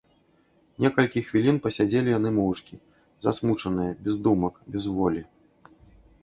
Некалькі хвілін пасядзелі яны моўчкі, засмучаныя, без думак, без волі.